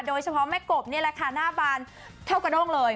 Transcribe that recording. โดยเฉพาะแม่กบนี้แหละหน้าบานเท่ากับน่องเลย